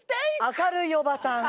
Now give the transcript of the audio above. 明るいおばさん。